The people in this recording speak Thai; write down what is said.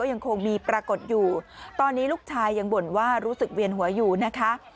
ยังคงมีปรากฏอยู่ตอนนี้ลูกชายยังบ่นว่ารู้สึกเวียนหัวอยู่นะคะ